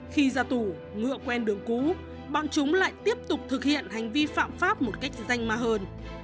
khi ra tù ngựa quen đường cũ bọn chúng lại tiếp tục thực hiện hành vi phạm pháp một cách danh ma hơn